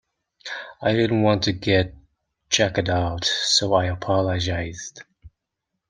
I didn't want to get chucked out so I apologized.